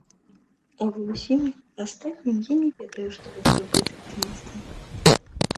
А ва ўсім астатнім я не ведаю, што такое быць аптымістам.